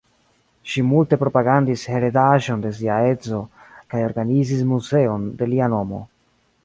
Ŝi multe propagandis heredaĵon de sia edzo kaj organizis muzeon de lia nomo.